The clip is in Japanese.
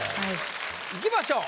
いきましょう。